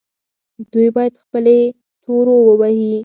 دوی باید خپلې تورو ووهي.